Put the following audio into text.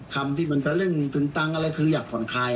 คำที่มันตะเร่งตึงตังอะไรคืออยากผ่อนคลาย